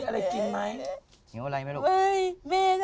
แล้วหนูมีอะไรกินมั้ย